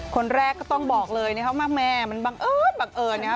คนแรกก็ต้องบอกเลยนะครับว่าแม่มันบังเอิญบังเอิญนะครับ